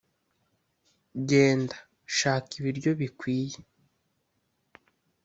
genda, shaka ibiryo bikwiye,